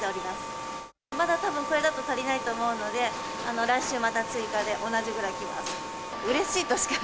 まだたぶん、これだと足りないと思うので、来週また追加で同じぐらいきます。